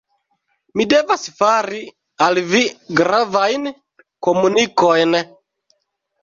Mi devas fari al vi gravajn komunikojn.